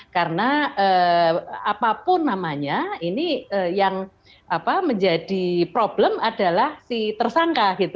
karena apapun namanya ini yang menjadi problem adalah si tersangka